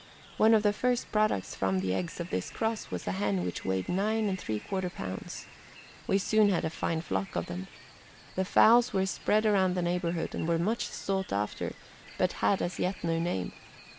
One of the first products from the eggs of this cross was a hen which weighed 9 3/4 pounds. We soon had a fine flock of them. The fowls were spread around the neighborhood and were much sought after, but had as yet no name.